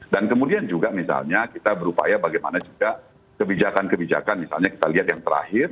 dan kemudian juga misalnya kita berupaya bagaimana juga kebijakan kebijakan misalnya kita lihat yang terakhir